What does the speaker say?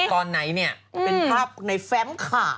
เป็นภาพในแฟมข่าว